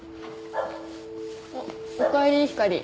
おかえりひかり。